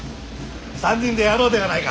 ３人でやろうではないか。